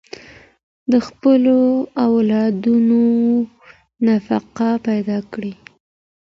د خپلو اولادونو نفقه پيدا کړئ.